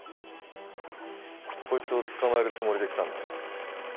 こいつを捕まえるつもりで来たんだよな？